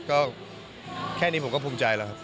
ก็แค่นี้ผมก็ภูมิใจแล้วครับ